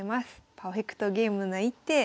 パーフェクトゲームな一手。